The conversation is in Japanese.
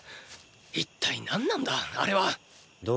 一体何なんだあれはーー！